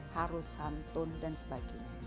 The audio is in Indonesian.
harusan tone dan sebagainya